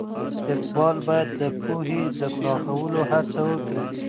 اقبال باید د پوهې د پراخولو هڅه وکړي.